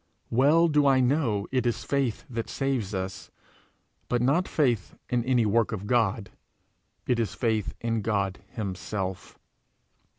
Well do I know it is faith that saves us but not faith in any work of God it is faith in God himself.